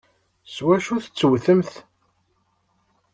S wacu tettewtemt?